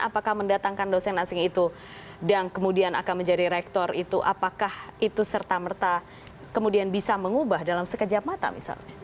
apakah mendatangkan dosen asing itu dan kemudian akan menjadi rektor itu apakah itu serta merta kemudian bisa mengubah dalam sekejap mata misalnya